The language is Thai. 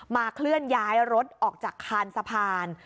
เคลื่อนย้ายรถออกจากคานสะพาน